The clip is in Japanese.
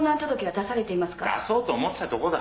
出そうと思ってたとこだ。